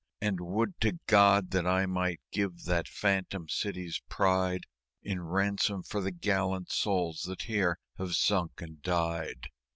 And would to God that I might give that phantom city's pride In ransom for the gallant souls that here have sunk and died!"